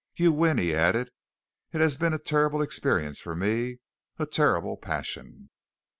"You win," he added. "It has been a terrible experience for me. A terrible passion.